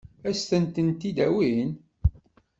Ad sent-tent-id-awin?